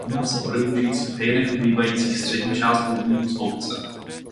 Jedná se o rybu žijící v hejnech obývající střední část vodního sloupce.